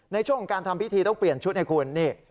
ในช่วงของการทำพิธีต้องเปลี่ยนชุดให้คุณนี่